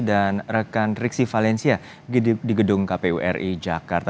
dan rekan riksi valencia di gedung kpwri jakarta